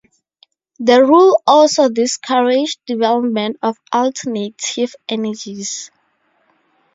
The rule also discouraged development of alternative energies.